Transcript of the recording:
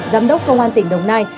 giám đốc công an tỉnh đồng nai